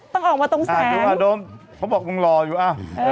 ต้องออกมาตรงสระอยู่อ่ะโดมเขาบอกมึงรออยู่อ่ะ